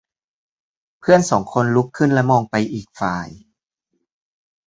เพื่อนสองคนลุกขึ้นและมองไปอีกฝ่าย